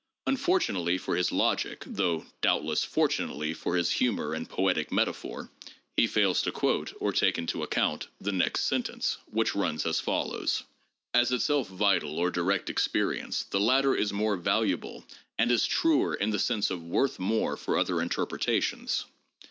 Unfortunately for his logic (though doubtless fortunately for his humor and poetic meta phor), he fails to quote, or take into account, the next sentence, which runs as follows : "As itself vital or direct experience ... the latter is more valuable and is truer in the sense of worth more for other in terpretations.